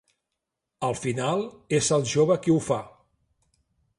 Al final és el jove qui ho fa.